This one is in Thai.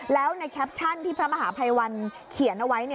แล้วในแคปชั่นที่พระมหาภัยวันเขียนเอาไว้